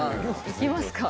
行きますか。